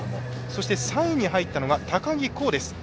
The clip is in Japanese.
そして、３位に入ったのが高木恒です。